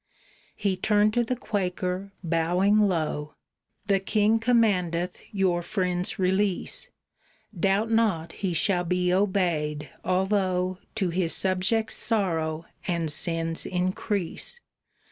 He turned to the Quaker, bowing low, "The king commandeth your friends' release; Doubt not he shall be obeyed, although To his subjects' sorrow and sin's increase.